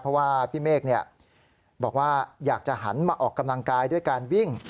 เพราะว่าพี่เมฆบอกว่าอยากจะหันมาออกกำลังกายด้วยการวิ่ง